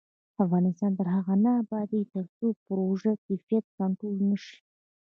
افغانستان تر هغو نه ابادیږي، ترڅو د پروژو کیفیت کنټرول نشي.